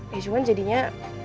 ya cuman jadinya